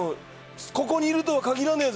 ここにいるとは限らねえぜ。